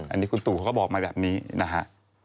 อันนี้คุณตู่เขาก็บอกมาแบบนี้นะฮะ